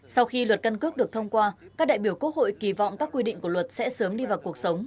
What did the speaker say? sau khi luật căn cước được thông qua các đại biểu quốc hội kỳ vọng các quy định của luật sẽ sớm đi vào cuộc sống